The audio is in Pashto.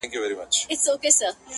• څنګه به دي یاره هېرومه نور ,